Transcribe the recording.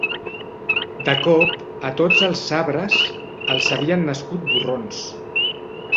De cop, a tots els arbres, els havien nascut borrons.